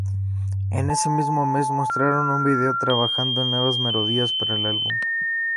En ese mismo mes, mostraron un video trabajando en nuevas melodías para el álbum.